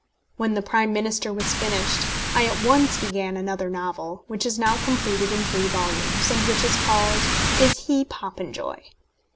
When The Prime Minister was finished, I at once began another novel, which is now completed in three volumes, and which is called _Is He Popenjoy?